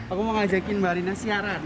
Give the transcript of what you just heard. aku mau ngajakin mbak rina siaran